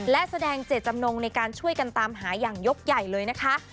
และแสดงเจตจำนงในการช่วยกันตามหาอย่างยกใหญ่เลยนะคะ